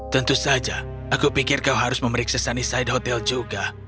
tentu saja aku pikir kau harus memeriksa sunnyside hotel juga